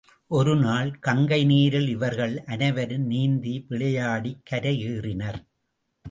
ஒரு நாள் கங்கை நீரில் இவர்கள் அனைவரும் நீந்தி விளையாடிக் கரை ஏறினர்.